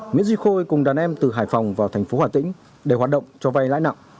nguyễn duy khôi cùng đàn em từ hải phòng vào thành phố hà tĩnh để hoạt động cho vay lãi nặng